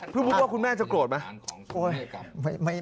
พูดว่าคุณแม่จะโกรธไหม